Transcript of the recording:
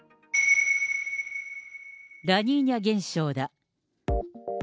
ラニーニャ現象だ。